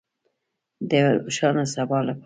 د یو روښانه سبا لپاره.